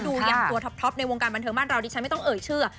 ยังตัวท็อปในวงการบันเทิงบ้านเราดิฉันไม่ต้องเอ่ยชื่อ